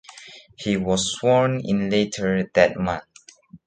He was sworn in later that month.